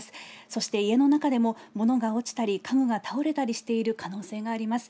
そして家の中でも、物が落ちたり、家具が倒れたりしている可能性があります。